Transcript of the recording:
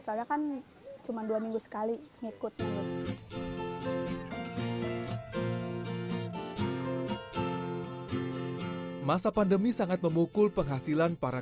soalnya kan cuma dua minggu sekali ikut lu masa pandemi sangat memukul penghasilan para